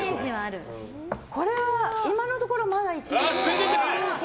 これは今のところまだ一度も。